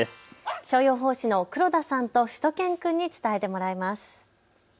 気象予報士の黒田さんとしゅと犬くんに伝えてもらいます。